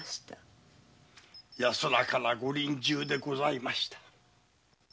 安らかなご臨終でございました。